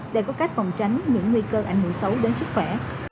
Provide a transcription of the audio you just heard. để có cách phòng tránh những nguy cơ ảnh hưởng xấu đến sức khỏe